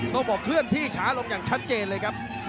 ต้องบอกเคลื่อนที่ช้าลงอย่างชัดเจนเลยครับ